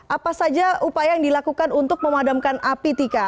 apa saja upaya yang dilakukan untuk memadamkan api tika